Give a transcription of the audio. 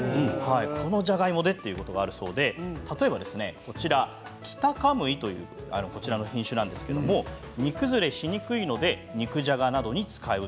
このじゃがいもでということがあるそうで例えば、きたかむいという品種なんですけど煮崩れしにくいので肉じゃがなどに使う。